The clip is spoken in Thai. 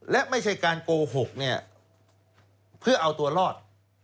และไม่ใช่การโกหกเนี่ยเพื่อเอาตัวรอด